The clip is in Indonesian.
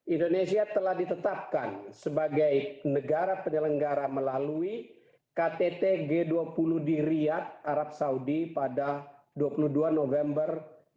indonesia telah ditetapkan sebagai negara penyelenggara melalui ktt g dua puluh di riyad arab saudi pada dua puluh dua november dua ribu dua puluh